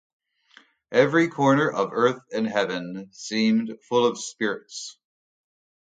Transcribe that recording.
Every corner of earth and heaven seemed full of spirits.